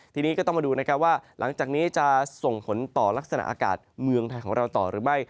ทีนี้ก็ต้องมาดูนะครับว่าหลังจากนี้จะส่งผลต่อลักษณะอากาศเมืองไทยของเราต่อหรือไม่